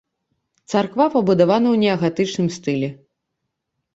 Царква пабудавана ў неагатычным стылі.